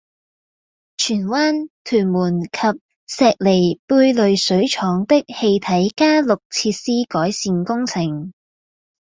荃灣、屯門及石梨貝濾水廠的氣體加氯設施改善工程